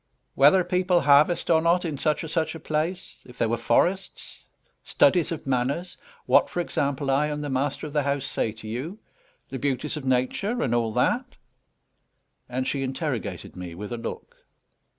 "Whether people harvest or not in such or such a place; if there were forests; studies of manners; what, for example, I and the master of the house say to you; the beauties of Nature, and all that." And she interrogated me with a look.